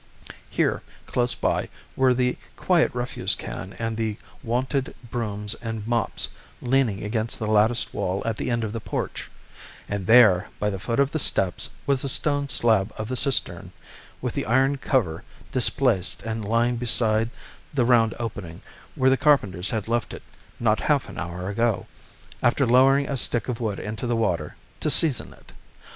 Here, close by, were the quiet refuse can and the wonted brooms and mops leaning against the latticed wall at the end of the porch, and there, by the foot of the steps, was the stone slab of the cistern, with the iron cover displaced and lying beside the round opening, where the carpenters had left it, not half an hour ago, after lowering a stick of wood into the water, "to season it."